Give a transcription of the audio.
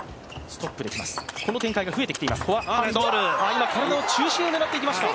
今体の中心を狙っていきました。